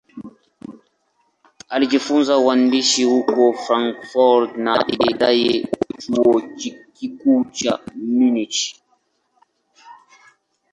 Alijifunza uhandisi huko Frankfurt na baadaye Chuo Kikuu cha Munich.